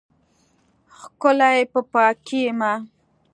ښکلی په پاکۍ یمه